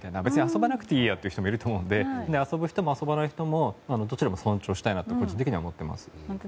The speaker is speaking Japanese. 遊ばなくてもいいやという人もいると思うので遊ぶ人も遊ばない人もどちらも尊重したいなと個人的には思っています。